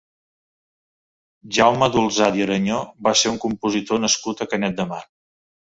Jaume Dulsat i Arañó va ser un compositor nascut a Canet de Mar.